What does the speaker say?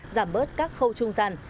giảm bớt các khâu trung gian